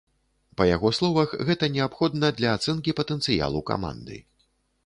Па яго словах, гэта неабходна для ацэнкі патэнцыялу каманды.